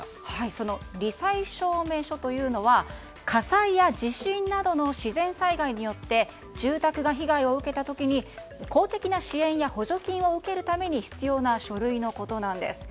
その罹災証明書というのは火災や地震などの自然災害によって住宅が被害を受けた時に公的な支援や補助金を受けるために必要な書類のことなんです。